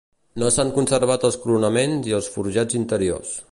No s'han conservat els coronaments i els forjats interiors.